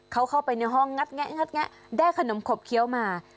เขาเข้าไปในห้องงัดแงะงัดแงะได้ขนมขบเคี้ยวมา